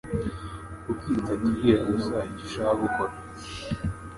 Kuki utatubwira gusa icyo ushaka gukora?